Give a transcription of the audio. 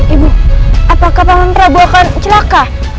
ibu apakah paman prabu akan celaka